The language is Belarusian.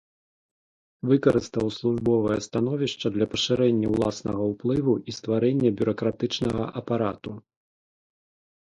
Выкарыстаў службовае становішча для пашырэння ўласнага ўплыву і стварэння бюракратычнага апарату.